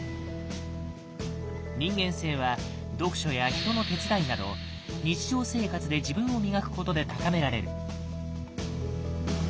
人間性は読書や人の手伝いなど日常生活で自分を磨くことで高められる。